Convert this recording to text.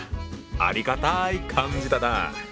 ありがたい漢字だなぁ。